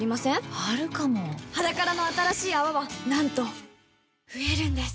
あるかも「ｈａｄａｋａｒａ」の新しい泡はなんと増えるんです